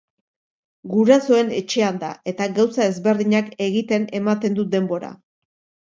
Gurasoen etxean da eta gauza ezberdinak egiten ematen du denbora.